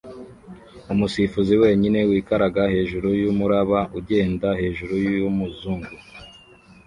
umusifuzi wenyine wikaraga hejuru yumuraba ugenda hejuru yumuzungu